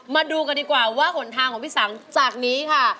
มาดูกันดีกว่าว่าหนทางของพี่สังจากนี้ค่ะ